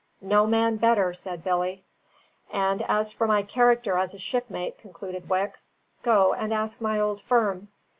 "No man better," said Billy. "And as for my character as a shipmate," concluded Wicks, "go and ask my old firm."